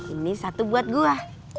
ini satu buat gua